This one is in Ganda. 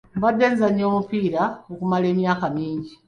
Mbadde nzannya omupiira okumala emyaka mingi.